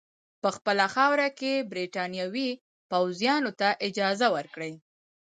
په خپله خاوره کې برټانوي پوځیانو ته اجازه ورکړي.